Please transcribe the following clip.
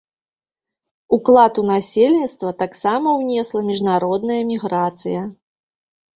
Уклад у насельніцтва таксама ўнесла міжнародная міграцыя.